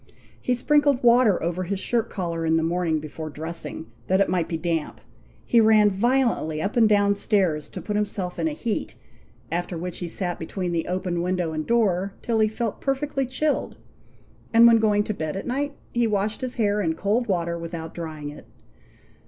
He sprinkled water over his shirt collar in the morning before dressing, that it might be damp; he ran violently up and down stairs to put himself in a heat, after which he sat between the open window and door till he felt perfectly chilled; and when going to bed at night, he washed his hair in cold water without drying it.